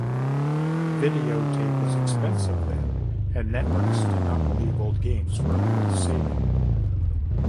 Videotape was expensive then and networks did not believe old games were worth saving.